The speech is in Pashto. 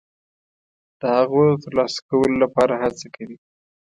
د هغو د ترلاسه کولو لپاره هڅه کوي.